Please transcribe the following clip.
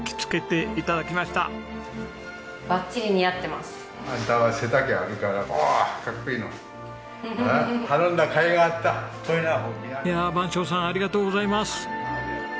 いやあ番匠さんありがとうございます。